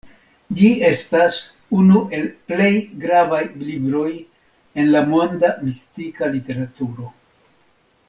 Ĝi estas unu el plej gravaj libroj en la monda mistika literaturo.